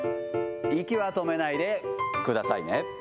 息は止めないでくださいね。